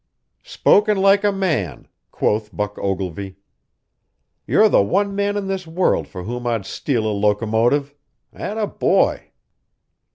"Spoken like a man!" quoth Buck Ogilvy. "You're the one man in this world for whom I'd steal a locomotive. 'At a boy!"